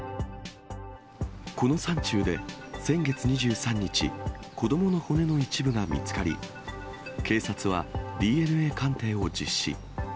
この山中で、先月２３日、子どもの骨の一部が見つかり、警察はＤＮＡ鑑定を実施。